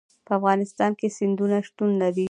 په افغانستان کې سیندونه شتون لري.